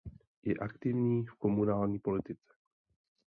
Je aktivní v komunální politice.